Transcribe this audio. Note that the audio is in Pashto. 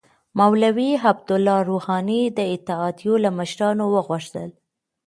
مولوی عبدالله روحاني د اتحادیو له مشرانو وغوښتل